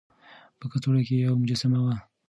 په کڅوړه کې يوه مجسمه وه.